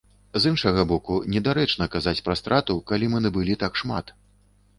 З іншага боку, недарэчна казаць пра страту, калі мы набылі так шмат.